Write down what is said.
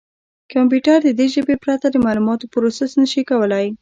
کمپیوټر د دې ژبې پرته د معلوماتو پروسس نه شي کولای.